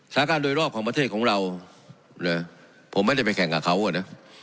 สถานการณ์โดยรอบของประเทศของเรานะผมไม่ได้ไปแข่งกับเขาอ่ะนะ